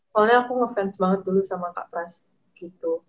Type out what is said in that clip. soalnya aku ngefans banget dulu sama kak pras gitu